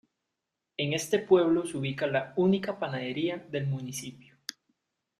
En este pueblo se ubica la única panadería del municipio.